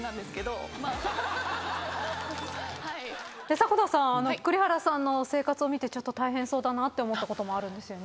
迫田さん栗原さんの生活を見てちょっと大変そうだなって思ったこともあるんですよね。